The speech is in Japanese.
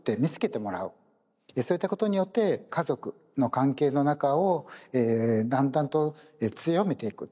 そういったことによって家族の関係の中をだんだんと強めていく。